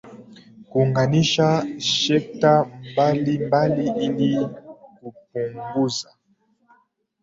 kuunganisha sekta mbali mbali ili kupunguza